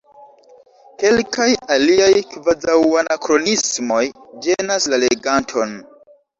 Kelkaj aliaj kvazaŭanakronismoj ĝenas la leganton.